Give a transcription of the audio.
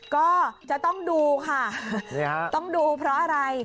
ก็จะต้องดูค่ะต้องดูเพราะอะไร